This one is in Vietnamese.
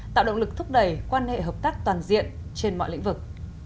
tạo động lực thúc đẩy quan hệ hợp tác toàn diện trên mọi lĩnh vực